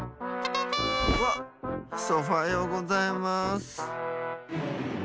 わっソファようございます！